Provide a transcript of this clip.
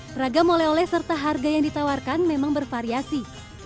beragam oleh oleh serta harga yang ditawarkan memang bervariasi